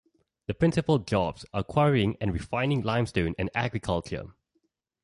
The principal jobs are quarrying and refining limestone and agriculture.